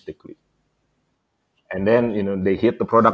dan kemudian mereka mengejar pasar produk